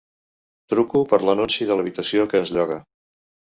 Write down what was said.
Truco per l'anunci de l'habitació que es lloga.